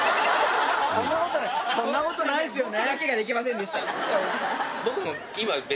そんなことないですよね。